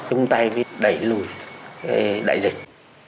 chúng ta bị đẩy lùi đại dịch